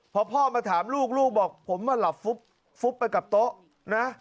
พอพ่อมาถามลูกบอกผมว่าหลับฟุ๊บฟุ๊บไปกับโต๊ะนะ